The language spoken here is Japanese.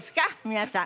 皆さん。